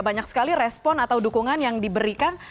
banyak sekali respon atau dukungan yang diberikan